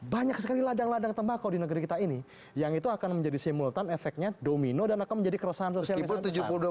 banyak sekali ladang ladang tembakau di negeri kita ini yang itu akan menjadi simultan efeknya domino dan akan menjadi keresahan sosial yang sangat besar